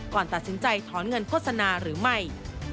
ก่อนตัดสินใจถอนเงินโฆษณาหรือไม่